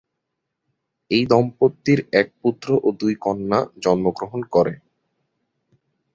এই দম্পতির এক পুত্র ও দুই কন্যা জন্মগ্রহণ করে।